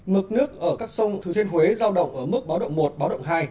mực nước ở các sông thừa thiên huế giao động ở mức báo động một báo động hai